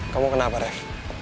kamu kenapa rev